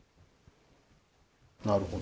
なるほど。